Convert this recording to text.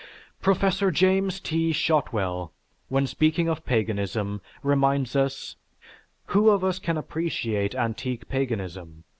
Professor James T. Shotwell when speaking of paganism reminds us, "Who of us can appreciate antique paganism?